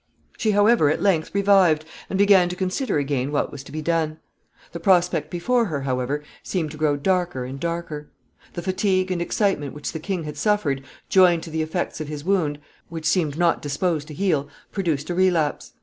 ] She however, at length, revived, and began to consider again what was to be done. The prospect before her, however, seemed to grow darker and darker. The fatigue and excitement which the king had suffered, joined to the effects of his wound, which seemed not disposed to heal, produced a relapse.